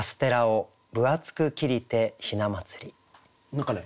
何かね